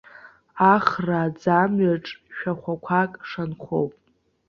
Ахра аӡамҩаҿ шәахәақәак шанхоуп.